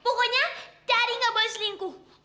pokoknya cari gak boleh selingkuh